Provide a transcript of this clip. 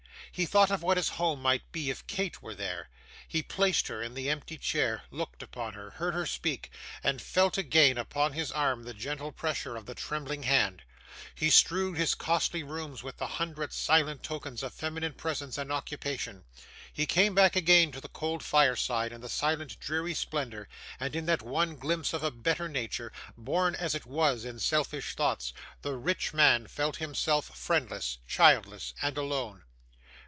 He thought of what his home might be if Kate were there; he placed her in the empty chair, looked upon her, heard her speak; he felt again upon his arm the gentle pressure of the trembling hand; he strewed his costly rooms with the hundred silent tokens of feminine presence and occupation; he came back again to the cold fireside and the silent dreary splendour; and in that one glimpse of a better nature, born as it was in selfish thoughts, the rich man felt himself friendless, childless, and alone.